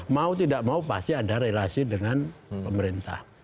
mau tidak mau pasti ada relasi dengan pemerintah